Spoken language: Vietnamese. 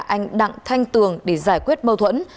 lê văn nhiều đã đặt đặng thanh tường để giải quyết mơ thuẫn